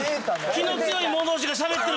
気の強いもん同士がしゃべってる。